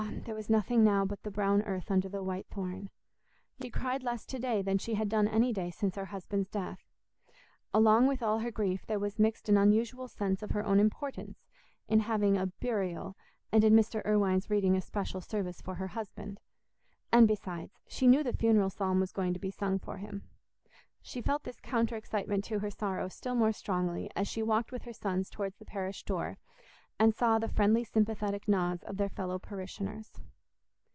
There was nothing now but the brown earth under the white thorn. Yet she cried less to day than she had done any day since her husband's death. Along with all her grief there was mixed an unusual sense of her own importance in having a "burial," and in Mr. Irwine's reading a special service for her husband; and besides, she knew the funeral psalm was going to be sung for him. She felt this counter excitement to her sorrow still more strongly as she walked with her sons towards the church door, and saw the friendly sympathetic nods of their fellow parishioners.